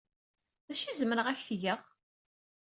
D acu ay zemreɣ ad ak-t-geɣ?